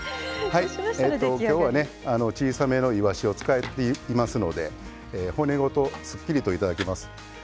今日はね小さめのいわしを使っていますので骨ごとすっきりと頂きます。